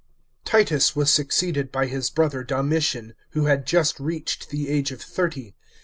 Titus was succeeded by his brother Domitian,^: who had just reached the age of thirty.